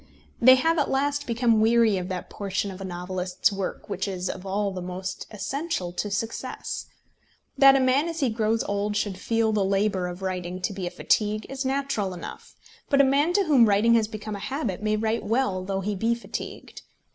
They have at last become weary of that portion of a novelist's work which is of all the most essential to success. That a man as he grows old should feel the labour of writing to be a fatigue is natural enough. But a man to whom writing has become a habit may write well though he be fatigued.